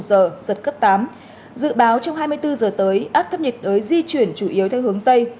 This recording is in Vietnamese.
giật cấp tám dự báo trong hai mươi bốn giờ tới áp thấp nhiệt đới di chuyển chủ yếu theo hướng tây